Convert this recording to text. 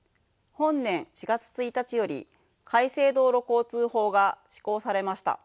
本年４月１日より改正道路交通法が施行されました。